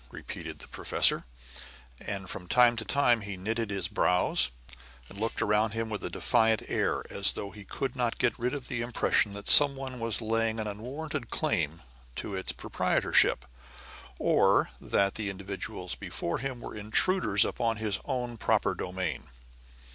repeated the professor, and from time to time he knitted his brows, and looked around him with a defiant air, as though he could not get rid of the impression that someone was laying an unwarranted claim to its proprietorship, or that the individuals before him were intruders upon his own proper domain.